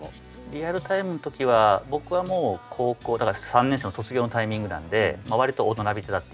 リアルタイムの時は僕はもう高校３年生の卒業のタイミングなんでわりと大人びてたっていいましょうか。